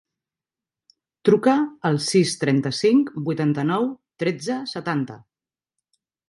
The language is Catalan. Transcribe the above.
Truca al sis, trenta-cinc, vuitanta-nou, tretze, setanta.